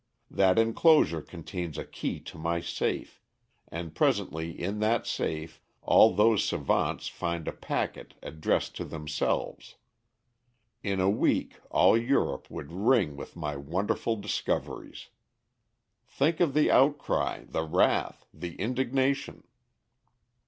That enclosure contains a key to my safe, and presently in that safe all those savants find a packet addressed to themselves. In a week all Europe would ring with my wonderful discoveries. Think of the outcry, the wrath, the indignation!"